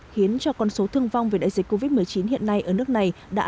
khiến cho con số thương vong về đại dịch covid một mươi chín hiện nay không được phong tỏa